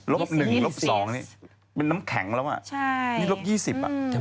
ลบ๑ลบ๒นี่เป็นน้ำแข็งแล้วอ่ะลบ๒๐อ่ะใช่